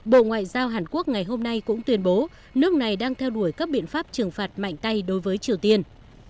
bộ ngoại giao hàn quốc ngày hôm nay cũng tuyên bố nước này đang theo đuổi các biện pháp trừng phạt mạnh tay đối với triều tiên